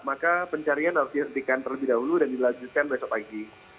maka pencarian harus dihentikan terlebih dahulu dan dilanjutkan besok pagi